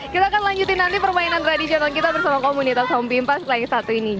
kita akan lanjutin nanti permainan tradisional kita bersama komunitas homepimpas lain satu ini